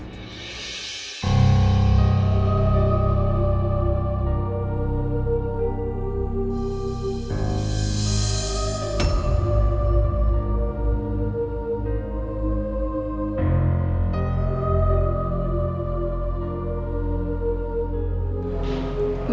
iya asal ini